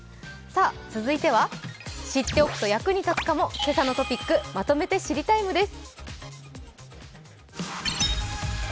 続いては知っておくと役に立つかも「けさのトピックまとめて知りＴＩＭＥ，」です。